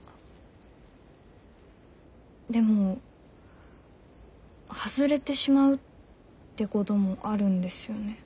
でも外れてしまうってこともあるんですよね。